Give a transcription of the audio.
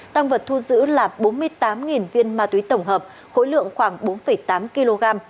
tăng vật thu giữ là bốn mươi tám viên ma túy tổng hợp khối lượng khoảng bốn tám kg